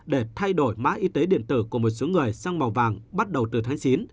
để thay đổi mã y tế điện tử của một số người sang màu vàng bắt đầu từ tháng chín